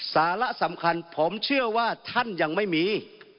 สาระสำคัญผมเชื่อว่าท่านยังไม่มี